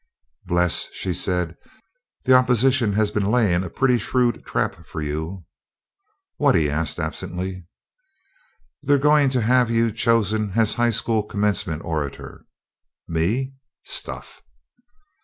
"Bles," she said, "the Opposition has been laying a pretty shrewd trap for you." "What?" he asked absently. "They are going to have you chosen as High School commencement orator." "Me? Stuff!"